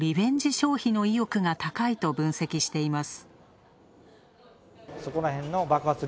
消費の意欲が高いと分析しています。